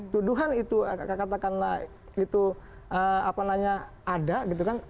tuduhan itu katakanlah itu apa namanya ada gitu kan